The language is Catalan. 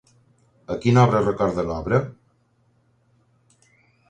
A quina obra recorda l'obra?